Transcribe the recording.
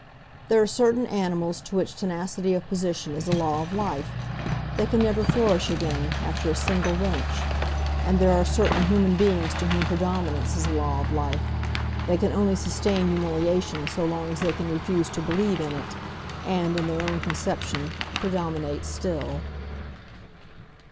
There are certain animals to which tenacity of position is a law of life,—they can never flourish again, after a single wrench: and there are certain human beings to whom predominance is a law of life,—they can only sustain humiliation so long as they can refuse to believe in it, and, in their own conception, predominate still.